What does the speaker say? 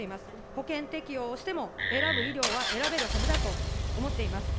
保険適用をしても、選ぶ医療は選べるはずだと思っています。